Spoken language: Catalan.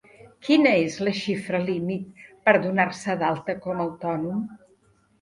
Quina és la xifra límit per donar-se d'alta com a autònom?